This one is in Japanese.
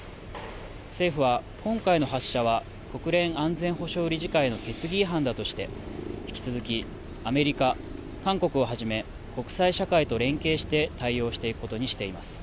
政府は今回の発射は国連安全保障理事会の決議違反だとして、引き続きアメリカ、韓国をはじめ、国際社会と連携して対応していくことにしています。